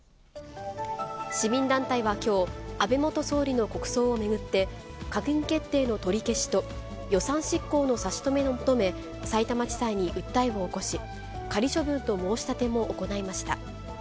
市民団体はきょう、安倍元総理の国葬を巡って、閣議決定の取り消しと、予算執行の差し止めを求め、さいたま地裁に訴えを起こし、仮処分と申し立ても行いました。